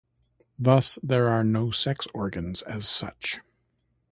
Thus there are no sex organs as such.